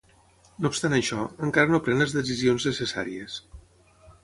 No obstant això, encara no pren les decisions necessàries.